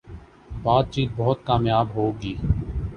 باتچیت بہت کامیاب ہو گی